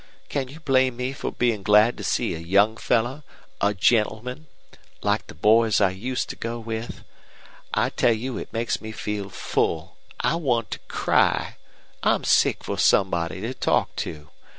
Can you blame me for being glad to see a young fellow a gentleman like the boys I used to go with? I tell you it makes me feel full I want to cry. I'm sick for somebody to talk to.